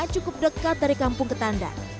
cukup dekat dari kampung ketandan